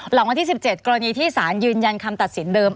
หลังวันที่๑๗กรณีที่สารยืนยันคำตัดสินเดิม